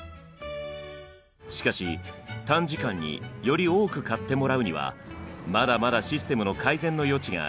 しかし短時間により多く買ってもらうにはまだまだシステムの改善の余地がありました。